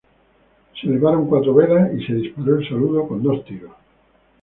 Se elevaron cuatro velas y se disparó el saludo con dos tiros.